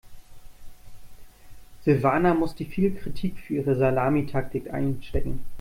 Silvana musste viel Kritik für ihre Salamitaktik einstecken.